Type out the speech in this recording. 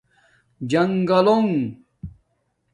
جنگلݸنݣ